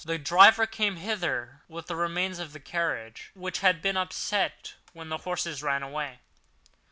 "The driver came hither with the remains of his carriage, which had been upset when the horses ran away."